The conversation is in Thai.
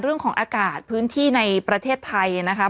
เรื่องของอากาศพื้นที่ในประเทศไทยนะคะ